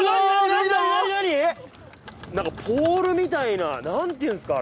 なんかポールみたいな。なんていうんですか？